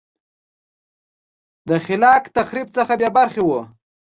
د خلاق تخریب څخه بې برخې وه